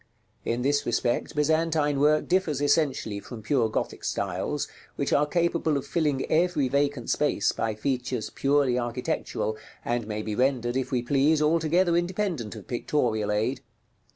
In this respect Byzantine work differs essentially from pure Gothic styles, which are capable of filling every vacant space by features purely architectural, and may be rendered, if we please, altogether independent of pictorial aid.